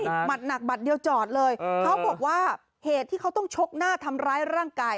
หมัดหนักหมัดเดียวจอดเลยเขาบอกว่าเหตุที่เขาต้องชกหน้าทำร้ายร่างกาย